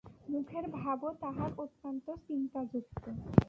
মুখের ভাবও তাহার অত্যন্ত চিন্তাযুক্ত।